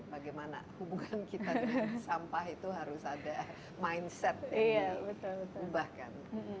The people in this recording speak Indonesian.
bagaimana hubungan kita dengan sampah itu harus ada mindset yang diubahkan